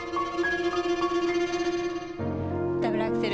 ダブルアクセル。